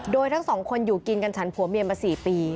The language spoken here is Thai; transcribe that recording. โดยทั้งสองคนอยู่กินกันฉันผัวเมียมา๔ปี